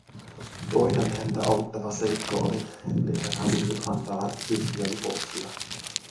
Toinen häntä auttava seikka oli, ettei hän halunnut antaa tyhjiä lupauksia.